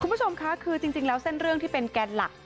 คุณผู้ชมคะคือจริงแล้วเส้นเรื่องที่เป็นแกนหลัก